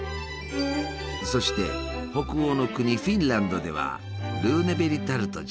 そして北欧の国フィンランドではルーネベリタルトじゃな。